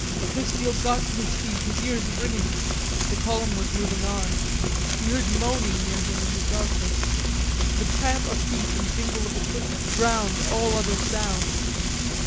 Chrisfield got to his feet, his ears ringing. The column was moving on. He heard moaning near him in the darkness. The tramp of feet and jingle of equipment drowned all other sound.